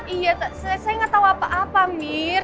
iya saya gak tau apa apa mir